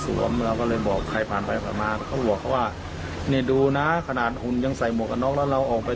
ว่านี่ดูนะขนาดหุ้นยังใส่หมวกกระนอกแล้วเราออกไป